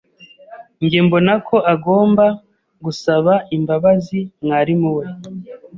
Njye mbona ko agomba gusaba imbabazi mwarimu we.